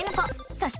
そして。